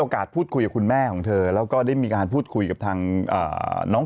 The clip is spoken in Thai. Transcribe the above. พูดคุยกับคุณแม่ของเธอแล้วก็ได้มีการพูดคุยกับทางน้อง